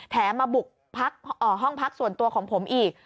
มาบุกพักห้องพักส่วนตัวของผมอีก